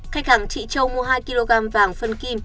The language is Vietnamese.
khách hàng trị châu mua hai kg vàng phân ký